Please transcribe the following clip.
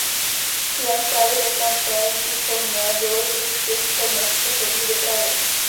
Cílem zprávy poslance Duchoně bylo zrušit přednost osobní dopravy.